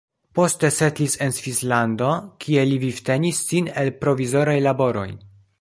Poste setlis en Svislando, kie li vivtenis sin el provizoraj laboroj.